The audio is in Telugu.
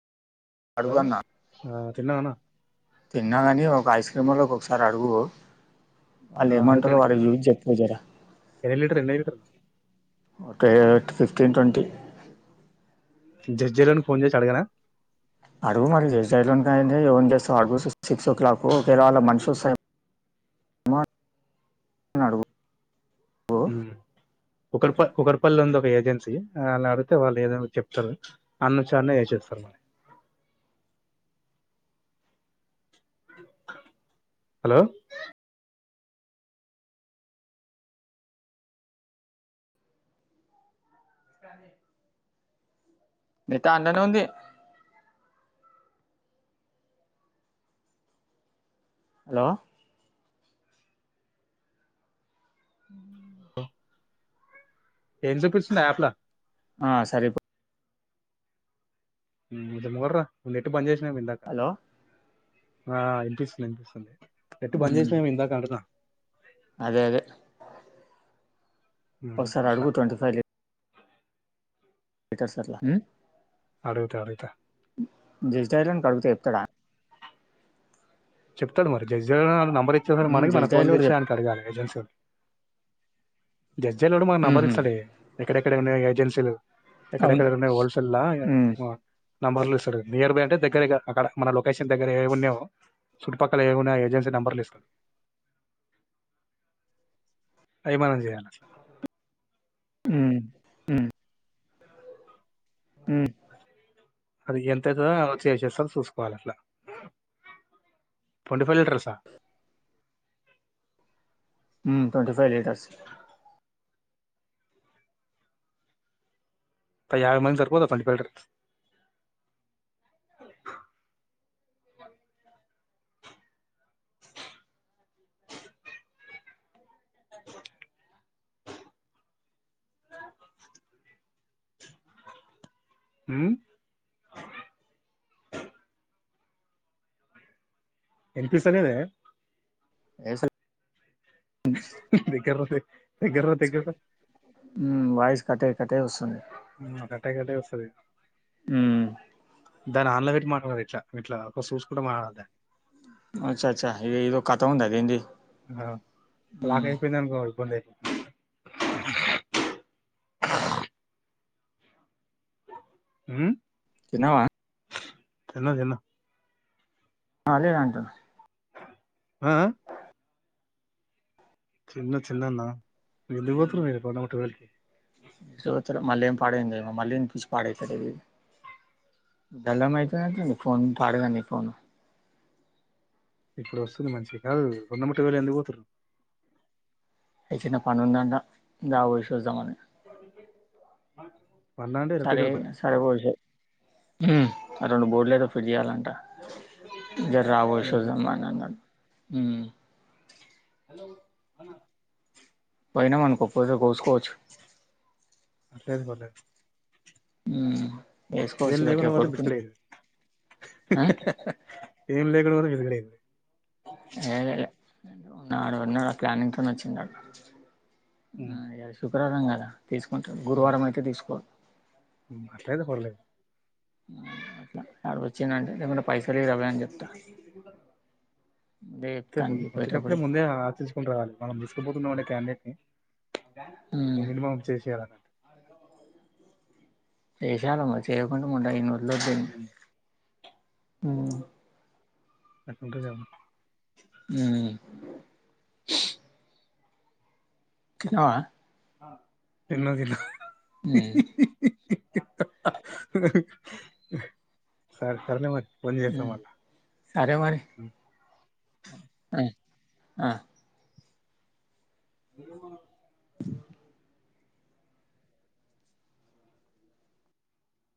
ఆ తిన్నవాన్న తిన్న గాని ఒక ఐస్ క్రీమోల్లకు ఒకసారి అడుగు ఆ ఆల్లేమంటరో వాలక్ జూయించి చెప్ ప్పు జర ఏడు లీటర్ ఎన్నని తిరుగుతరు ఒకా ఇగ ఫిఫ్టీన్ ట్వంటీ జజ్జె లోనికి ఫోన్ జేసి అడగన అడుగు మరి జజ్జెలోనికి కాదంటె ఎఓన్ దెస్తవ్ అడుగు సి సిక్స్ ఓ క్లాక్ ఒకేళ వాళ్ళ మనిషోస్తే అని అడుగు కుకట్ప కుకట్పల్లి లొ ఉంది ఒక ఏజెన్సీ ఆల్ నడిగితే వాళ్ళు ఏదన చెప్తరు అన్నచ్చాన్నే చేప్తరు మరి హలో [inaudible] మితా అండ్లనే ఉంది హలో ఉమ్ హ్ ఎందుకు స్నాప్ లా ఆ సరేపో ఉమ్ మొవడ్రా నెట్ బంద్ జేసినం ఇందాక్ హలో ఆ ఇనిపిస్తుంది ఇనిపిస్తుంది నెట్టు బంద్ మ్మ్ చేసినము ఇందాక అంటున్న అదే అదే ఉమ్ ఒకసారి అట్ల అడుగు ట్వంటీ అయితే సర్లా అడుగుత అడుగుతా జస్ట్ డయల్ ఓనికి అడుగుతే చెప్తడా చెప్తడు మరి జస్ట్ డయల్ ఒడు నంబర్ ఇచ్చి ఉన్నడు మ్మ్ మనకి మనం జస్ట్ డైల్ ఫోన్ కూడా చేసి చెప్ ఆనికి అడగాలె ఏజెన్సీ ఓనికి జస్ట్ డయల్ లోడు మనకు మ్మ్ నంబర్ హ్మ్ ఇస్తడే ఎక్కడెక్కడ ఉన్నయో ఏజెన్సీలు అవును ఎక్కడెక్కడ ఉన్నయి హోల్సేల్లా ఇగ మ్మ్ ఉమ్ నంబర్లు ఇస్తడు నియర్ బై అంటే దగ్గరిగా అక్కడ మనలొకేషన్ దగ్గర ఏం ఉన్నయో చుట్ పక్కల ఏవి ఉన్నయో ఆ ఏజెన్సీ నంబర్లు ఇస్తడు అయి మనం జేయాలట్ల ఉమ్ ఊమ్ అది ఎంతయితదో వచ్చి ఏసేస్తడు చూసుకోవాలె అట్లా ట్వంటీ ఫైవ్ లీటర్సా ఉమ్ ట్వంటీ ఫైవ్ లీటర్స్ అ యాభై మంది జర్పోతారూ [unintelligible] అ [unintelligible] ఉం వినిపిస్తలేదా ఎసా [unintelligible] దగ్గర దగ్గర దగ్గర [unintelligible] ఉం వాయిస్ కట్ అయి కట్ అయి వస్తుంది కట్టే కట్టే వస్తది ఉమ్ దాన్ని ఆన్ల పెట్టి మాట్లాడలి ఇట్లా ఇట్లా ఒక చూసు కూడా మడదా [unintelligible] అచ్చ అచ్చ ఇది ఏదో కత ఉందాది ఇంది ఆ లాక్ అయిపోయింది అనుకో ఇబ్బంది అయితే ఉం తిన్నావా తిన్న తిన్న అదే అంటన ఆ చిన్న చిన్నన్నా ఎలి పోతురు న పడుమిట వెకి [unintelligible] త మళ్ళీ ఏం పాడైందమో మళ్ళీ పిచి పాడవుతాడు ఇది [unintelligible] డలా [unintelligible] మాహతు అ ఫోన్ పాడగా న ఫోన్ ఇప్పుడు వస్తుంది మంచిది కాదు [unintelligible] రెండుముూటి వేలు ఎందు పోతారు ఏ చిన్న పని ఉందంట దా పోయి చూద్దామని అ [unintelligible] సరే సరే బోల్ రెండు బోర్డులు ఏదో ఫ్రిడ్జ్ చెయ్యాలంట జర రా బోయి ఉహు చూద్దాం అని అన్నడు ఉం హలో పోయినామనుకో పోతే కోసు కోవచ్చు అంటే బ [unintelligible] ఉం ఏం లేకుండా పోతే బిస్కట్ అయిద్ది ఆ ఏం లేకుండ పోతే బిస్కట్ అయిద్దీ ఏద ఉన్నాడు విన్నాడు [unintelligible] ఆ ప్లానింగ్ తో వచ్చిందడు మ్మ్. శుక్రవారం కదా తీసుకుంటరు గురువారం అయితే తీసుకోరు అట్లయినా పర్లేదు [unintelligible] అట్లా వాడ వచ్చిందంటే లేకుంట పైసలు రవ అని చెప్తా లేే తవి పోయటప్పుడే దే [unintelligible] [unintelligible] ఆచించుకుని రావాలి మనం రసుపోతున్నాంమండే క్యాండెట్ ని ఉమ్ మినిమం చేసేయాల చేసాలమ్మా చేయకుండా [unintelligible] ఉండ ఇన్నిలో ఉం ఉమ్ అకుం రజమ [unintelligible] ఉమ్ తిన్నావా [unintelligible] చిన్న జలో ఉమ్ సరే సరలే మరి ఫోన్ చేస్తా ఉమ్ మళ సరే మరి ఆ అ